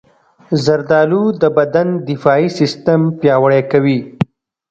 زردالو د بدن دفاعي سیستم پیاوړی کوي.